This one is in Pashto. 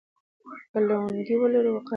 که لونګۍ ولرو نو وقار نه ځي.